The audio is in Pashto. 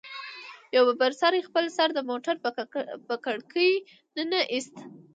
يوه ببر سري خپل سر د موټر په کړکۍ ننه ايست.